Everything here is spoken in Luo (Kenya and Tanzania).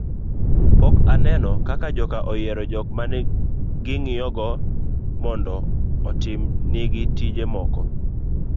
pok aneno ka joka oyiero jok mane ging'iyogo mondo otim nigi tije moko